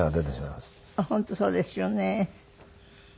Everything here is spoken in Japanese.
本当そうですよね。